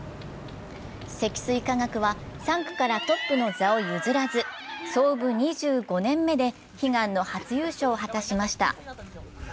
積水化学は３区からトップの座を譲らず、創部２５年目で悲願の初優勝を果たしました。